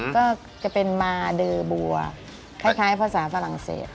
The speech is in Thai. ก็จะเป็นมาเดอร์บัวคล้ายภาษาฝรั่งเศส